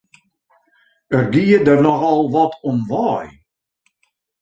It gie der nochal wat om wei!